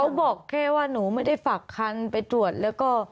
บอกแค่ว่าหนูไม่ได้ฝากคันไปตรวจแล้วก็